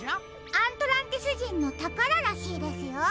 アントランティスじんのたかららしいですよ。